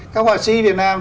các họa sĩ việt nam